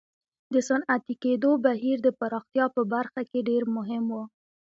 د صنعتي کېدو بهیر د پراختیا په برخه کې ډېر مهم و.